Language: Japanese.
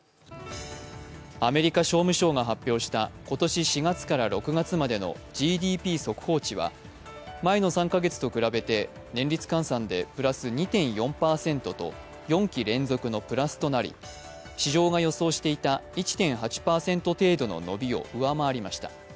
アメリカ商務省が発表した今年４月から６月までのＧＤＰ速報値は前の３か月と比べて年率換算でプラス２．４％と４期連続のプラスとなり市場が予想していた１．８％程度の伸びを上回りました。